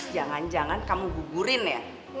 jangan jangan kamu gugurin ya